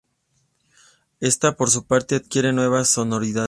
Ésta, por su parte, adquiere nuevas sonoridades.